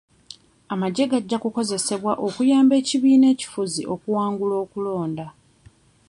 Amagye gajja kukozesebwa okuyamba ekibiina ekifuzi okuwangula okulonda.